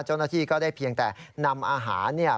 เจ้าหน้าที่ก็ได้เพียงแต่นำอาหารเนี่ย